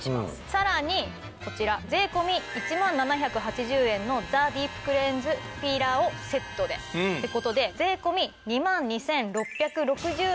さらにこちら税込１万７８０円のザディープクレンズピーラーをセットで。って事で税込２万２６６０円が今回は。